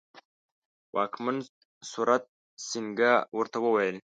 واکمن سورت سینګه ورته وویل.